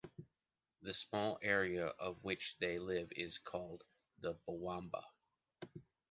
The small area on which they live is called the Bwamba.